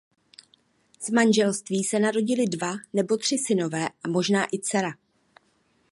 Z manželství se narodili dva nebo tři synové a možná i dcera.